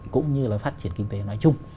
cũng như là phát triển kinh tế nói chung